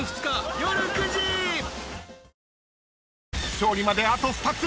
［勝利まであと２つ！］